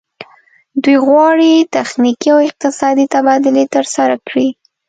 دوی غواړي تخنیکي او اقتصادي تبادلې ترسره کړي